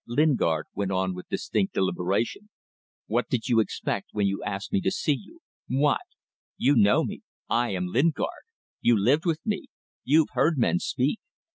Lingard went on with distinct deliberation "What did you expect when you asked me to see you? What? You know me. I am Lingard. You lived with me. You've heard men speak.